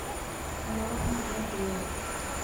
Umarım buna değer.